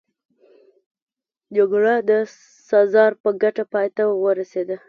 جګړه د سزار په ګټه پای ته ورسېده.